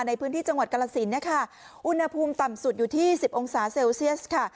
ในพื้นที่จังหวัดกรสินนะคะอุณหภูมิต่ำสุดอยู่ที่๑๐องศาเซลเซียสค่ะ